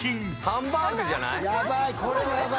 ハンバーグじゃない？